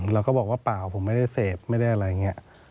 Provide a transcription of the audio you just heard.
เราก็บอกว่าเปล่าผมไม่ได้เสพไม่ได้อะไรอย่างนี้